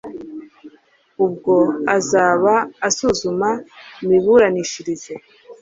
ubwo azaba asuzuma imiburanishirize